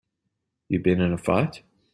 You been in a fight?